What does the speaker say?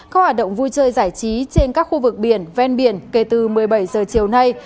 các hoạt động vui chơi giải trí trên các khu vực biển ven biển kể từ một mươi bảy giờ chiều nay